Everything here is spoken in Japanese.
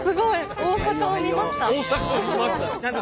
大阪を見ました。